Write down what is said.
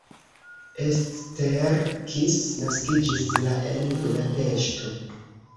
Eszter Kiss naskiĝis la en Budapeŝto.